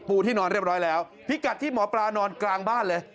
ที่นอนเรียบร้อยแล้วพิกัดที่หมอปลานอนกลางบ้านเลย